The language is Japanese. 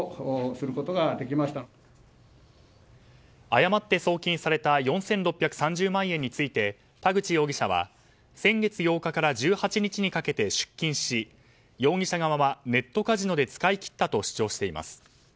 誤って送金された４６３０万円について田口容疑者は先月８日から１８日にかけて出金し容疑者側はネットカジノで使い切ったと主張しています。